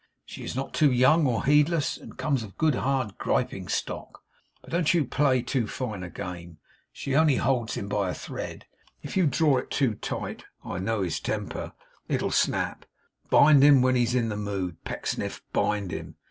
She is not too young or heedless, and comes of a good hard griping stock. But don't you play too fine a game. She only holds him by a thread; and if you draw it too tight (I know his temper) it'll snap. Bind him when he's in the mood, Pecksniff; bind him.